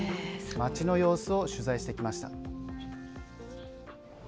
街の様子を取材してきました。